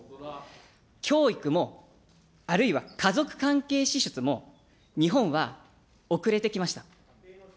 教育も、あるいは家族関係支出も、日本は遅れてきました。